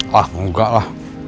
wah nggak lah